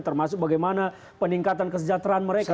termasuk bagaimana peningkatan kesejahteraan mereka